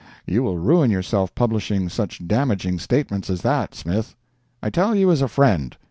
You will ruin yourself publishing such damaging statements as that, Smith. I tell you as a friend.